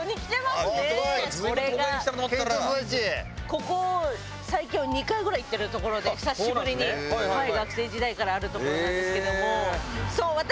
ここ最近も２回ぐらい行ってる所で久しぶりに学生時代からある所なんですけども。